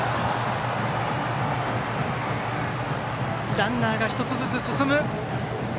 ランナーが１つずつ進む。